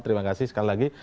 terima kasih sekali lagi